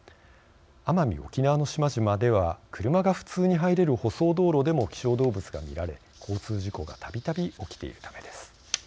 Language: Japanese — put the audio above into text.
奄美・沖縄の島々では車が普通に入れる舗装道路でも希少動物が見られ交通事故がたびたび起きているためです。